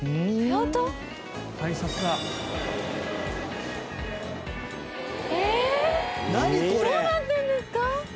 本仮屋：どうなってるんですか？